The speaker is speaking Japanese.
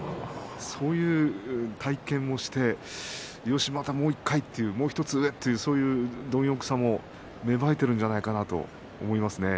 そういう体験をしてよし、またもう１回というもう１つ上という貪欲さも芽生えているんじゃないかと思いますよね。